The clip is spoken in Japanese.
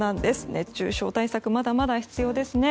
熱中症対策まだまだ必要です。